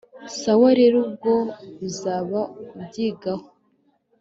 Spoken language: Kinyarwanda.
sawa rero ubwo uzaba ubyigaho